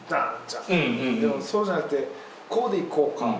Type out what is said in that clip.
でもそうじゃなくて、こうでいこうか？